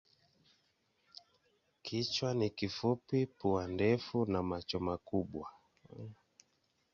Kichwa ni kifupi, pua ndefu na macho makubwa.